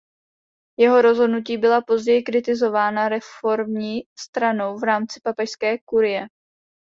Jeho rozhodnutí byla později kritizována reformní stranou v rámci papežské kurie.